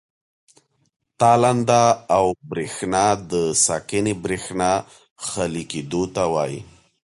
تالنده او برېښنا د ساکنې برېښنا خالي کېدو ته وایي.